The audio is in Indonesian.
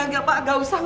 gak usah pak